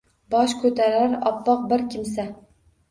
Bosh ko’tarar oppoq bir kimsa.